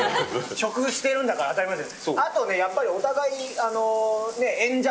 食してるんだから当たり前じゃない。